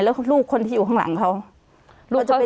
แล้วลูกคนที่อยู่ข้างหลังเขาเราจะเป็น